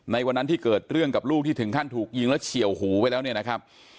ในวันนั้นที่เกิดเรื่องกับลูกที่ถึงขั้นถูกยิงแล้วเฉียวหูไปแล้วเนี่ยนะครับ